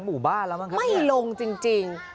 ไม่ลงจริง